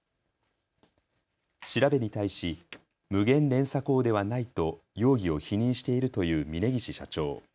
調べに対し無限連鎖講ではないと容疑を否認しているという峯岸社長。